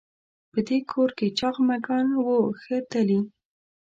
په دې کور کې چاغ مږان وو ښه تلي.